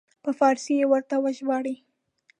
په فارسي یې ورته وژباړي.